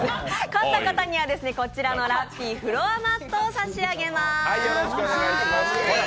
勝った方にはこちらのラッピーフロアマットを差し上げます。